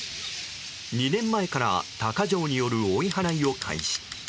２年前から鷹匠による追い払いを開始。